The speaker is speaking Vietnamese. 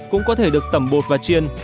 cũng có thể được tẩm bột và chiên